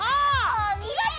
おみごと！